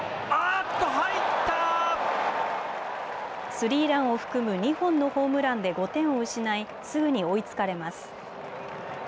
スリーランを含む２本のホームランで５点を失いすぐに追いつかれます。